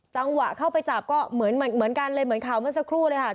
จังหวะเข้าไปจับก็เหมือนกันเลยเหมือนข่าวเมื่อสักครู่เลยค่ะ